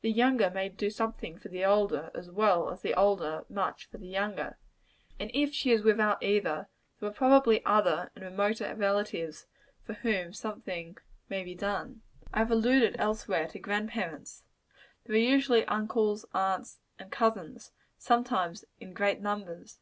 The younger may do something for the older, as well as the older much for the younger. And if she is without either, there are probably other and remoter relatives for whom something may be done. I have alluded, elsewhere, to grand parents There are usually uncles, aunts and cousin's sometimes in great numbers.